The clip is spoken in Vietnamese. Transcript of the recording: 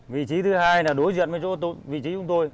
vị trí thứ hai là đối diện với chỗ vị trí chúng tôi